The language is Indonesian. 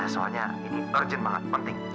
soalnya ini urgent banget penting